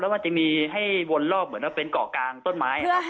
มันจะมีให้วนรอบเหมือนว่าเป็นเกาะกลางต้นไม้ครับ